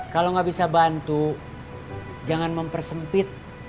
kalau nggak bisa bantu jangan mempersempit